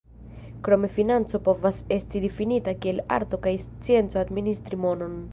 Krome financo povas esti difinita kiel "arto kaj scienco administri monon.